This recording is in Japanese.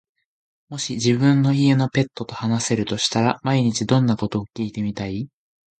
もし自分の家のペットと話せるとしたら、毎日どんなことを聞いてみたい？